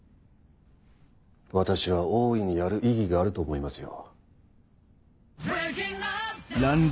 私は大いにやる意義があると思いますよ。